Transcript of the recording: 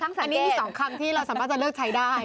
ว่าสำหรับพี่นี่จะพิกัด๒๒ครั้งที่เราสามารถจะเลือกใช้ได้